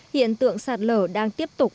hiện tượng sạt lở đang tiếp tục